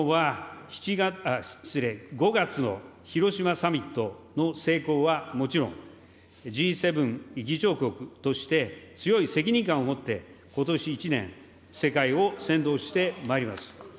日本は、失礼、５月の広島サミットの成功はもちろん、Ｇ７議長国として、強い責任感を持って、ことし１年、世界を先導してまいります。